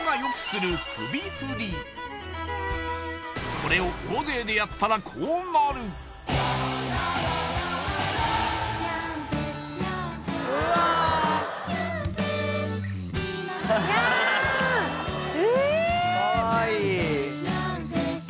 これを大勢でやったらこうなるやんえ？